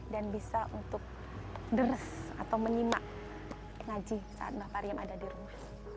dan bisa untuk deres atau menyimak ngaji saat mbak pariem ada di rumah